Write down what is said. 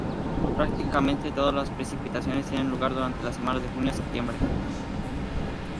Prácticamente toda las precipitaciones tienen lugar durante los meses de junio a septiembre.